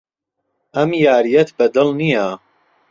ئەم یارییەت بەدڵ نییە.